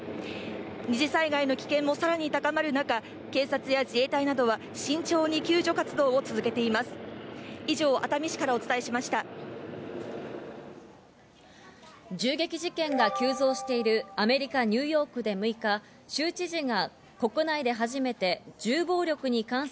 二次災害の危険もさらに高まる中、警察や自衛隊などは慎重に救助活動を続けています。